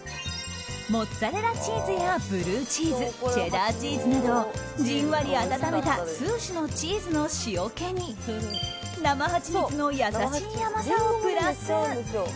モッツァレラチーズやブルーチーズチェダーチーズなどじんわり温めた数種のチーズの塩けに生ハチミツの優しい甘さをプラス。